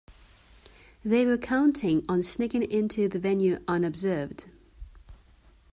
They were counting on sneaking in to the venue unobserved